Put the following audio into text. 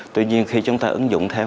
tuy nhiên khi chúng ta ứng dụng thêm